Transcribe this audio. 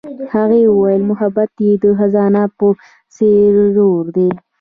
هغې وویل محبت یې د خزان په څېر ژور دی.